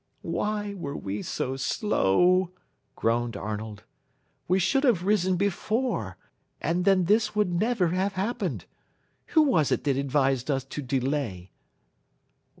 "Why were we so slow!" groaned Arnold. "We should have risen before, and then this would never have happened. Who was it that advised us to delay?"